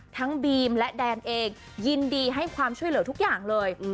บีมและแดนเองยินดีให้ความช่วยเหลือทุกอย่างเลย